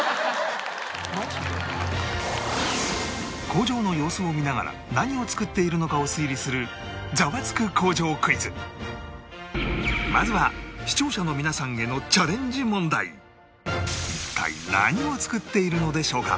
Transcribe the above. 工場の様子を見ながら何を作っているのかを推理するまずは視聴者の皆さんへの一体何を作っているのでしょうか？